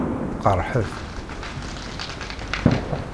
Qeṛṛḥet.